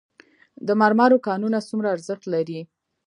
د مرمرو کانونه څومره ارزښت لري؟